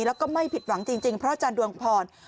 แล้วก็ไม่ผิดหวังจริงเพราะอาจารย์ดวงพร